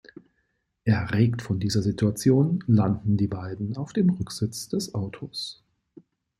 Erregt von dieser Situation, landen die beiden auf dem Rücksitz des Autos.